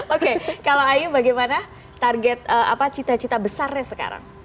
oke kalau ayu bagaimana target apa cita cita besarnya sekarang